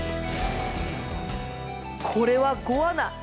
これはゴアナ。